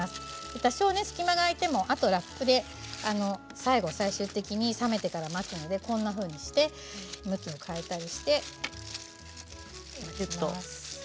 多少、隙間が開いてもあとラップで最終的に冷めてから巻くのでこんなふうに向きを変えたりしてぎゅっと。